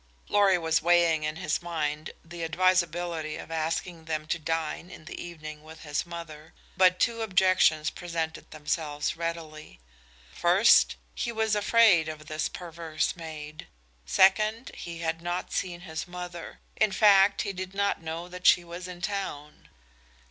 Lorry was weighing in his mind the advisability of asking them to dine in the evening with his mother, but two objections presented themselves readily. First, he was afraid of this perverse maid; second, he had not seen his mother. In fact, he did not know that she was in town.